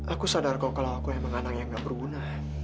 aku sadar kau kalau aku memang anak yang gak berguna